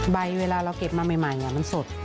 เวลาเราเก็บมาใหม่มันสด